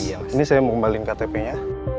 ini saya mau kembaliin ktpnya